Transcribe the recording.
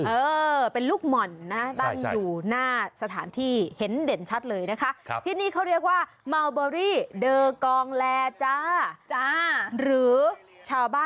เออเป็นลูกหม่อนนะตั้งอยู่หน้าสถานที่เห็นเด่นชัดเลยนะคะ